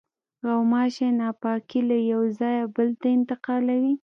غوماشې ناپاکي له یوه ځایه بل ته انتقالوي.